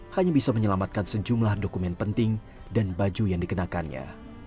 hanya bisa menyelamatkan sejumlah dokumen penting dan baju yang dikenakannya